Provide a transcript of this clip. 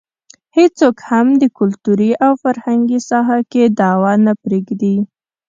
هېڅوک هم د کلتوري او فرهنګي ساحه کې دعوه نه پرېږدي.